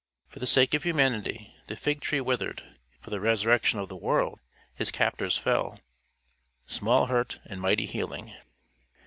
For the sake of humanity the fig tree withered; for the resurrection of the world, his captors fell: small hurt and mighty healing.